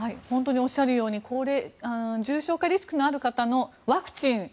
本当におっしゃるように重症化リスクのある方のワクチン